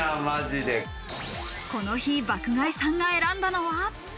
この日、爆買いさんが選んだのは？